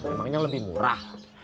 emangnya lebih murah